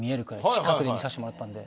近くで見させてもらったので。